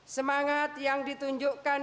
semangat yang ditunjukkan